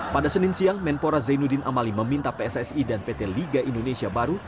pada senin siang menpora zainuddin amali meminta pssi dan pt liga indonesia baru